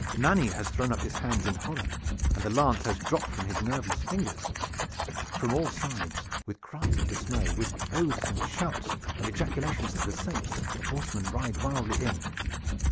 Manny has thrown up his hands in horror and the lance has dropped from his nerveless fingers. From all sides, with cries of dismay, with oaths and shouts and ejaculations to the saints, the horsemen ride wildly in.